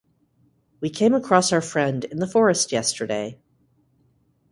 We came across our friend in the forest yesterday.